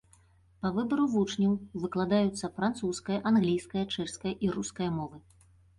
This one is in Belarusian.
Па выбару вучняў выкладаюцца французская, англійская, чэшская і руская мовы.